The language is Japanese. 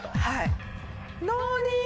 はい。